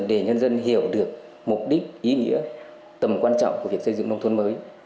để nhân dân hiểu được mục đích ý nghĩa tầm quan trọng của việc xây dựng nông thôn mới